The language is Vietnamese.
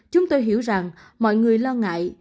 chúng tôi hiểu rằng mọi người lo ngại